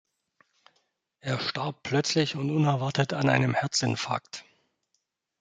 Er starb plötzlich und unerwartet an einem Herzinfarkt.